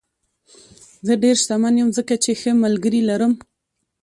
زه ډېر شتمن یم ځکه چې ښه ملګري لرم.